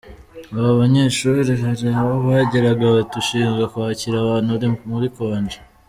Abo banyeshuri hari aho bageraga bati “Ushinzwe kwakira abantu ari muri konji.